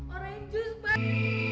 orange juice bang